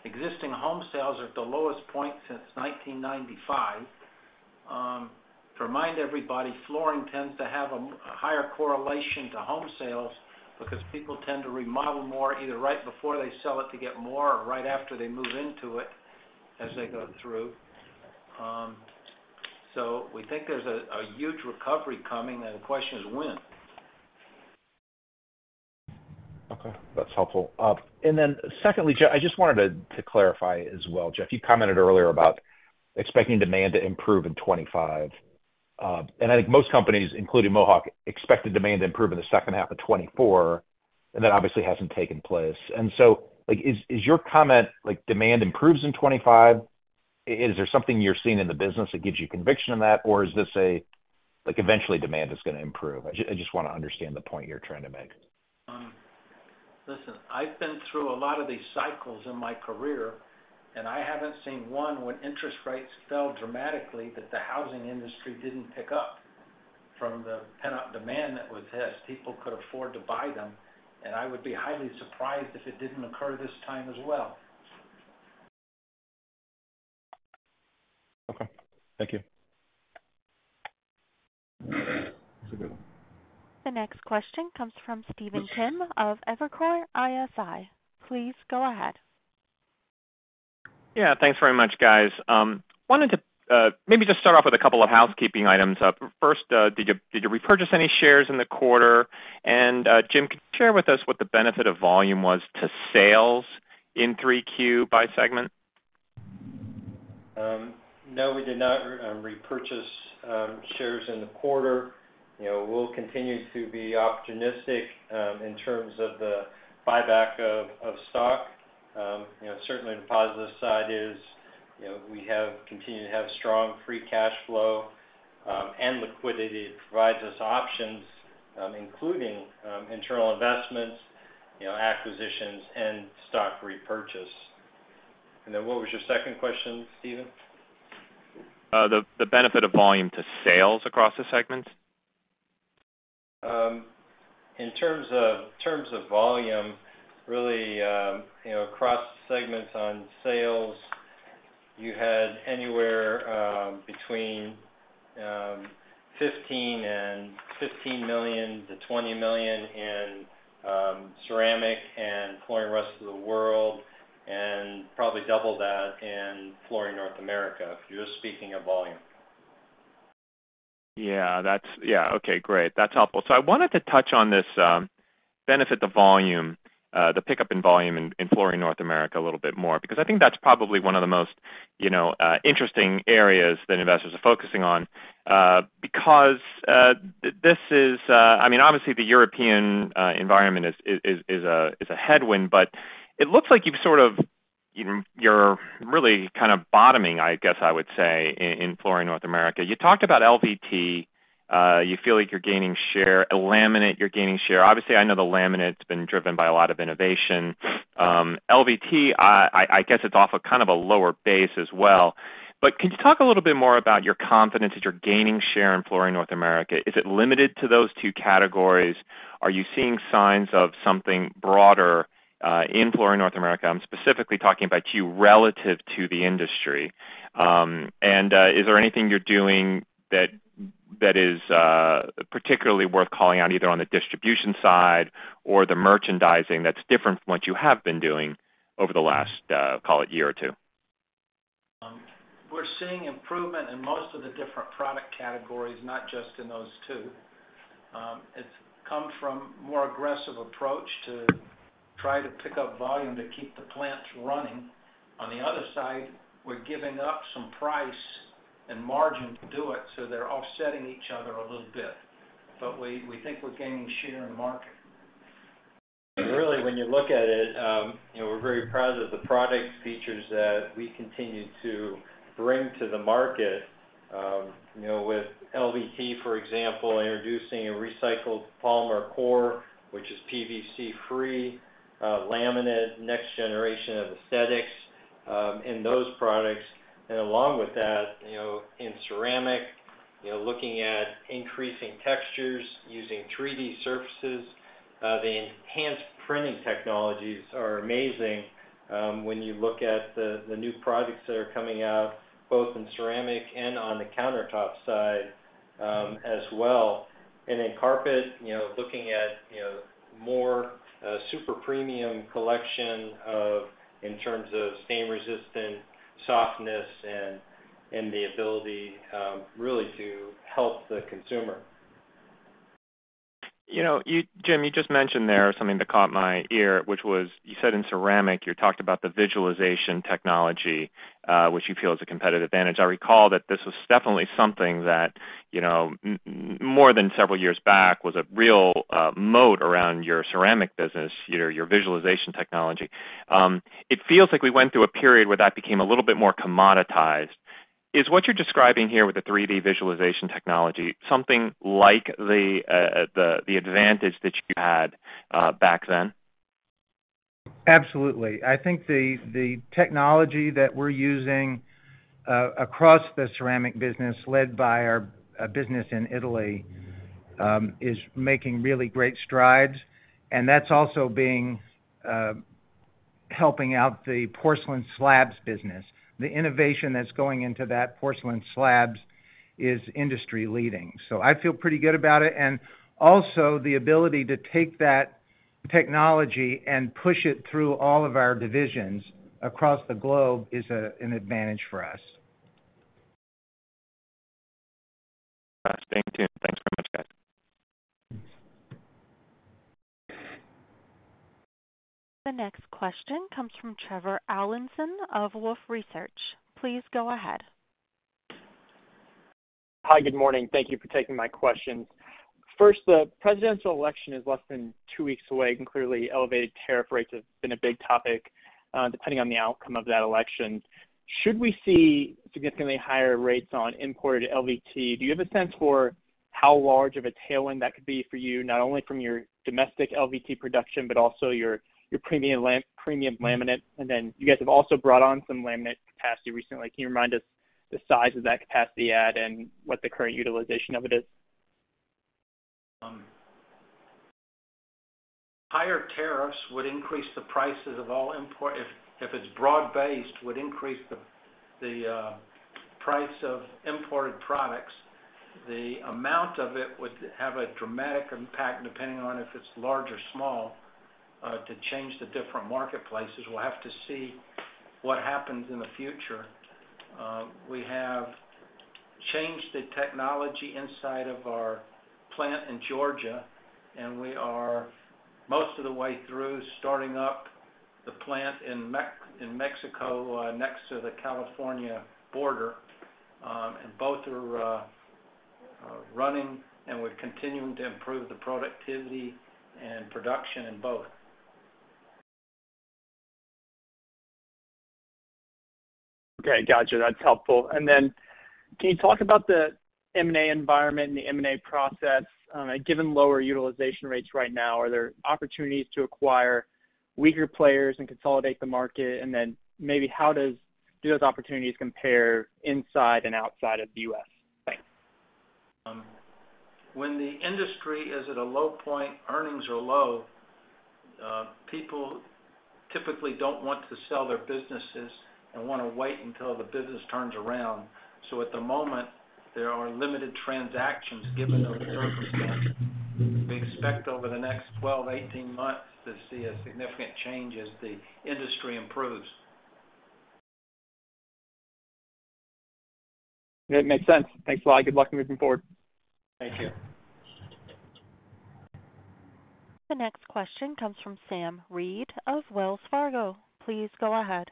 Existing home sales are at the lowest point since 1995. To remind everybody, flooring tends to have a higher correlation to home sales because people tend to remodel more, either right before they sell it to get more or right after they move into it, as they go through. So we think there's a huge recovery coming, and the question is when? Okay, that's helpful. And then secondly, Jeff, I just wanted to clarify as well. Jeff, you commented earlier about expecting demand to improve in 2025. And I think most companies, including Mohawk, expect the demand to improve in the second half of 2024, and that obviously hasn't taken place. And so, like, is your comment, like, demand improves in 2025, is there something you're seeing in the business that gives you conviction on that? Or is this a, like, eventually demand is gonna improve? I just wanna understand the point you're trying to make. Listen, I've been through a lot of these cycles in my career, and I haven't seen one when interest rates fell dramatically, that the housing industry didn't pick up from the pent-up demand that was there, so people could afford to buy them, and I would be highly surprised if it didn't occur this time as well. Okay, thank you. The next question comes from Stephen Kim of Evercore ISI. Please go ahead. Yeah, thanks very much, guys. Wanted to maybe just start off with a couple of housekeeping items. First, did you repurchase any shares in the quarter? And, Jim, could you share with us what the benefit of volume was to sales in 3Q by segment? No, we did not repurchase shares in the quarter. You know, we'll continue to be opportunistic in terms of the buyback of stock. You know, certainly the positive side is, you know, we continue to have strong free cash flow and liquidity. It provides us options, including internal investments, you know, acquisitions, and stock repurchase. And then what was your second question, Stephen? The benefit of volume to sales across the segments. In terms of, in terms of volume, really, you know, across segments on sales, you had anywhere between 15-20 million in ceramic and Flooring Rest of the World, and probably double that in Flooring North America, if you're just speaking of volume. Yeah, that's yeah, okay, great. That's helpful. So I wanted to touch on this, benefit to volume, the pickup in volume in Flooring North America a little bit more, because I think that's probably one of the most, you know, interesting areas that investors are focusing on. Because, this is, I mean, obviously, the European environment is a headwind, but it looks like you've sort of, you're really kind of bottoming, I guess I would say, in Flooring North America. You talked about LVT, you feel like you're gaining share. In laminate, you're gaining share. Obviously, I know the laminate's been driven by a lot of innovation. LVT, I guess it's off a kind of a lower base as well. But can you talk a little bit more about your confidence that you're gaining share in Flooring North America? Is it limited to those two categories? Are you seeing signs of something broader in Flooring North America? I'm specifically talking about you relative to the industry. And is there anything you're doing that is particularly worth calling out, either on the distribution side or the merchandising, that's different from what you have been doing over the last call it year or two? We're seeing improvement in most of the different product categories, not just in those two. It's come from more aggressive approach to try to pick up volume to keep the plants running. On the other side, we're giving up some price and margin to do it, so they're offsetting each other a little bit, but we think we're gaining share in the market. Really, when you look at it, you know, we're very proud of the product features that we continue to bring to the market. You know, with LVT, for example, introducing a recycled polymer core, which is PVC-free, laminate, next generation of aesthetics, in those products. And along with that, you know, in ceramic, you know, looking at increasing textures, using 3D surfaces, the enhanced printing technologies are amazing, when you look at the new products that are coming out, both in ceramic and on the countertop side, as well. And in carpet, you know, looking at, you know, more, super premium collection of, in terms of stain resistance, softness, and the ability, really to help the consumer. You know, you, Jim, you just mentioned there something that caught my ear, which was, you said in ceramic, you talked about the visualization technology, which you feel is a competitive advantage. I recall that this was definitely something that, you know, more than several years back, was a real moat around your ceramic business, your visualization technology. It feels like we went through a period where that became a little bit more commoditized. Is what you're describing here with the 3D visualization technology, something like the advantage that you had back then? Absolutely. I think the technology that we're using across the ceramic business, led by our business in Italy, is making really great strides, and that's also being helping out the porcelain slabs business. The innovation that's going into that porcelain slabs is industry leading, so I feel pretty good about it. And also, the ability to take that technology and push it through all of our divisions across the globe is an advantage for us. Staying tuned. Thanks very much, guys. The next question comes from Trevor Allinson of Wolfe Research. Please go ahead. Hi, good morning. Thank you for taking my questions. First, the presidential election is less than two weeks away, and clearly, elevated tariff rates have been a big topic, depending on the outcome of that election. Should we see significantly higher rates on imported LVT? Do you have a sense for how large of a tailwind that could be for you, not only from your domestic LVT production, but also your premium laminate? And then you guys have also brought on some laminate capacity recently. Can you remind us the size of that capacity add and what the current utilization of it is? Tariffs would increase the prices of all imports, if it's broad-based, would increase the price of imported products. The amount of it would have a dramatic impact, depending on if it's large or small, to change the different marketplaces. We'll have to see what happens in the future. We have changed the technology inside of our plant in Georgia, and we are most of the way through starting up the plant in Mexico, next to the California border. And both are running, and we're continuing to improve the productivity and production in both. Okay, gotcha. That's helpful. And then, can you talk about the M&A environment and the M&A process? Given lower utilization rates right now, are there opportunities to acquire weaker players and consolidate the market? And then, maybe do those opportunities compare inside and outside of the U.S.? Thanks. When the industry is at a low point, earnings are low, people typically don't want to sell their businesses and want to wait until the business turns around. So at the moment, there are limited transactions given those circumstances. We expect over the next twelve to eighteen months to see a significant change as the industry improves. It makes sense. Thanks a lot. Good luck moving forward. Thank you. The next question comes from Sam Reid of Wells Fargo. Please go ahead.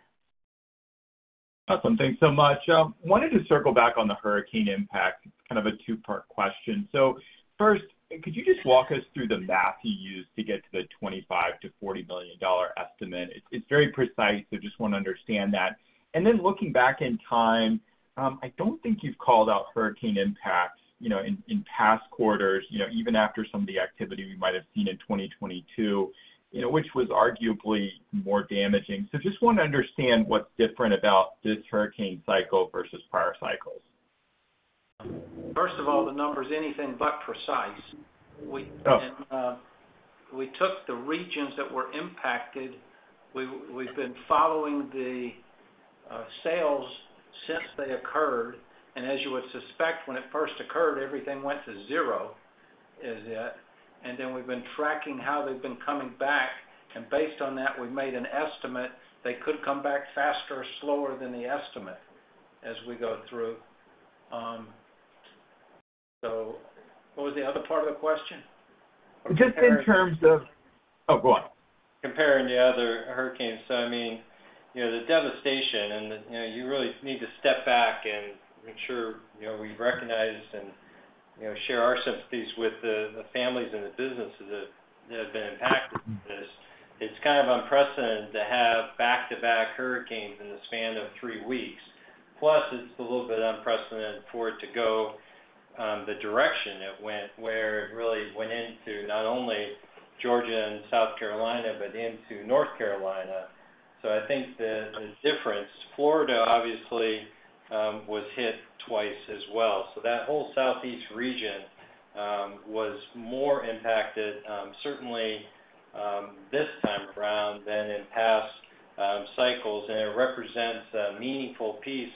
Awesome. Thanks so much. Wanted to circle back on the hurricane impact, kind of a two-part question. So first, could you just walk us through the math you used to get to the $25-$40 million estimate? It's very precise, so just want to understand that. And then, looking back in time, I don't think you've called out hurricane impacts, you know, in past quarters, you know, even after some of the activity we might have seen in 2022, you know, which was arguably more damaging. So just want to understand what's different about this hurricane cycle versus prior cycles. First of all, the number's anything but precise. Oh. We took the regions that were impacted. We've been following the sales since they occurred, and as you would suspect, when it first occurred, everything went to zero, is it, and then we've been tracking how they've been coming back, and based on that, we've made an estimate. They could come back faster or slower than the estimate as we go through. So what was the other part of the question? Just in terms of. Oh, go on. Comparing the other hurricanes. So I mean, you know, the devastation and the, you know, you really need to step back and make sure, you know, we recognize and, you know, share our sympathies with the families and the businesses that have been impacted with this. It's kind of unprecedented to have back-to-back hurricanes in the span of three weeks. Plus, it's a little bit unprecedented for it to go the direction it went, where it really went into not only Georgia and South Carolina, but into North Carolina. So I think the difference, Florida obviously was hit twice as well. So that whole Southeast region was more impacted, certainly this time around than in past cycles. And it represents a meaningful piece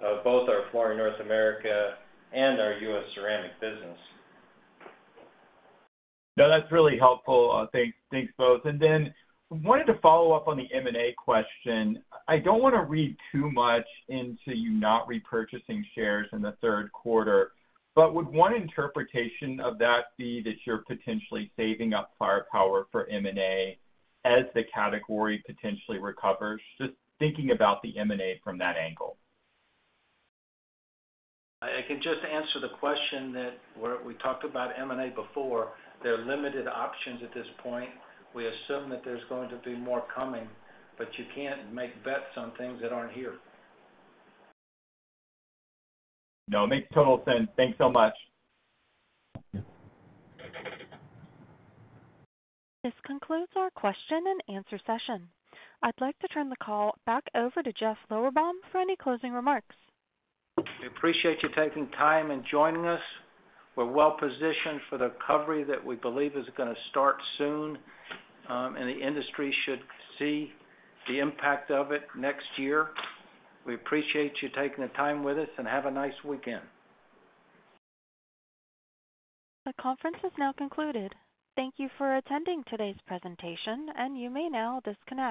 of both our flooring in North America and our U.S. ceramic business. No, that's really helpful. Thanks, thanks, both. And then I wanted to follow up on the M&A question. I don't want to read too much into you not repurchasing shares in the third quarter, but would one interpretation of that be that you're potentially saving up firepower for M&A as the category potentially recovers? Just thinking about the M&A from that angle. I can just answer the question that where we talked about M&A before, there are limited options at this point. We assume that there's going to be more coming, but you can't make bets on things that aren't here. No, it makes total sense. Thanks so much. Thank you. This concludes our question and answer session. I'd like to turn the call back over to Jeff Lorberbaum for any closing remarks. We appreciate you taking time and joining us. We're well positioned for the recovery that we believe is gonna start soon, and the industry should see the impact of it next year. We appreciate you taking the time with us, and have a nice weekend. The conference is now concluded. Thank you for attending today's presentation, and you may now disconnect.